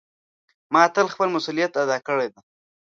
ما تل خپل مسؤلیت ادا کړی ده.